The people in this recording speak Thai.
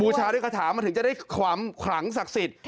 บูชาด้วยกระถามมันถึงจะได้ความขลังศักดิ์สิทธิ์